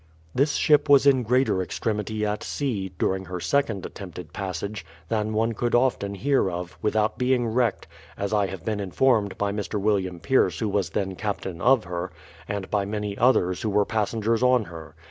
This ship was in greater extremity at sea, during her second attempted passage, than one could often hear of — without being wrecked — as I have been informed by Mr. William Pierce who was then captain of her, and by many others who were passengers on her.